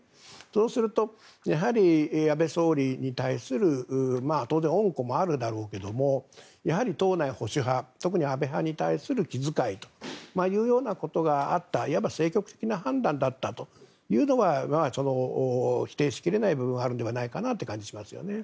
そうすると、安倍総理に対する当然、恩顧もあるだろうけどもやはり党内保守派特に安倍派に対する気遣いというようなことがあったいわば政局的な判断だったというのが否定しきれない部分はあると思いますね。